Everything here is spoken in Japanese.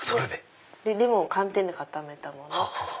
レモンを寒天で固めたもの。